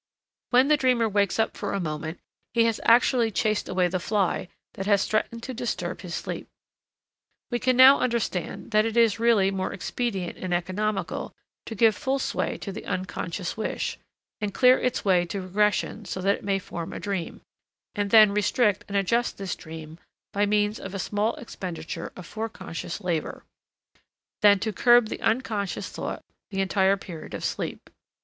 When the dreamer wakes up for a moment, he has actually chased away the fly that has threatened to disturb his sleep. We can now understand that it is really more expedient and economical to give full sway to the unconscious wish, and clear its way to regression so that it may form a dream, and then restrict and adjust this dream by means of a small expenditure of foreconscious labor, than to curb the unconscious throughout the entire period of sleep.